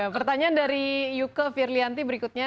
pertanyaan dari yuke firlianti berikutnya